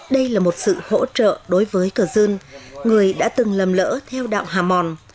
đây là một sự hỗ trợ đối với cơ dung người đã từng lầm lỡ theo đạo hà mòn